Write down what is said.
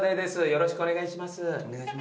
よろしくお願いします。